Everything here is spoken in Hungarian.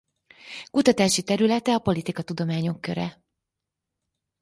Kutatási területe a politikatudományok köre.